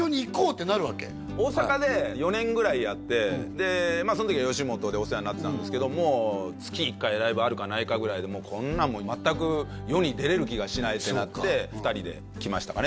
大阪で４年ぐらいやってその時は吉本でお世話になってたんですけどもう月１回ライブあるかないかぐらいでこんなの全く世に出れる気がしないってなって２人で来ましたかね